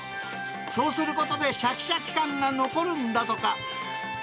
そうすることで、しゃきしゃき感が残るんだとか。